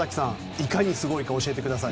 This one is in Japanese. いかにすごいか教えてください。